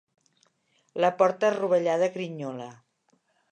La porta rovellada grinyola.